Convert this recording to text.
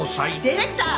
ディレクター！